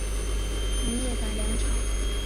农业改良场